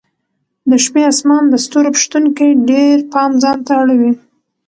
د شپې اسمان د ستورو په شتون کې ډېر پام ځانته اړوي.